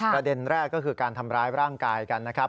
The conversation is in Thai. ประเด็นแรกก็คือการทำร้ายร่างกายกันนะครับ